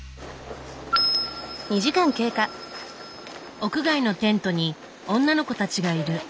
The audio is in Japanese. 屋外のテントに女の子たちがいる。